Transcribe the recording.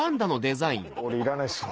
俺いらないですわ。